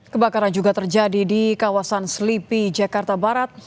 kebakaran juga terjadi di kawasan selipi jakarta barat